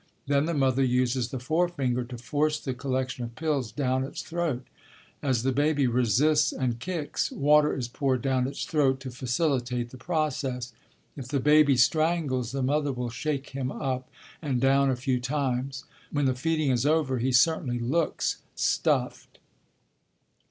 Then the mother uses the forefinger to force the collection of pills down its throat. As the baby resists and kicks, water is poured down its throat to facilitate the process. If the baby strangles, the mother will shake him up and down a few times. When the feeding is over, he certainly looks "stuffed."